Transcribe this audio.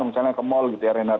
misalnya ke mall